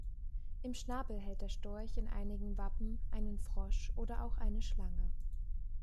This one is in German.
Im Schnabel hält der Storch in einigen Wappen einen Frosch oder auch eine Schlange.